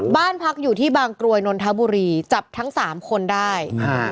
บ้านพักอยู่ที่บางกรวยนนทบุรีจับทั้งสามคนได้อ่า